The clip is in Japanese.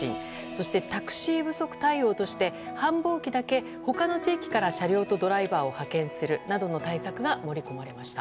そして、タクシー不足対応として繁忙期だけ他の地域から車両とドライバーを派遣するなどの対策が盛り込まれました。